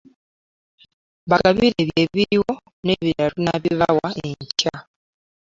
Bagabire ebyo ebiriwo n'ebirala tunnabibawa enkya